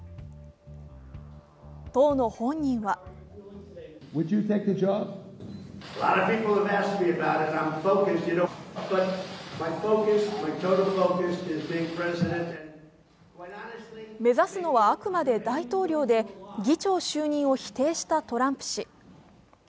当の本人は目指すのはあくまで大統領で、議長就任を否定したトランプ氏。